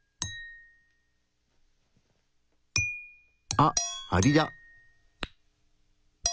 あっアリだ。